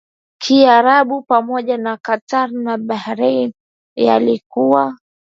Kiarabu pamoja na Qatar na Bahrain yalikuwa